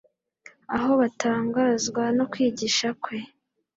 aho batangazwa no kwigisha kwe